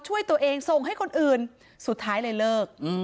ช่วยตัวเองส่งให้คนอื่นสุดท้ายเลยเลิก